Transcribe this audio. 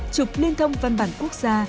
chụp liên thông văn bản quốc gia